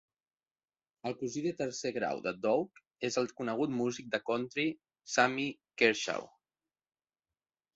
El cosí de tercer grau de Doug és el conegut músic de country Sammy Kershaw.